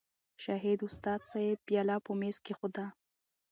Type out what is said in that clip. شاهد استاذ صېب پياله پۀ مېز کېښوده